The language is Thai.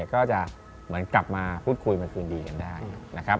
ก็จะเหมือนกลับมาพูดคุยมาคืนดีกันได้นะครับ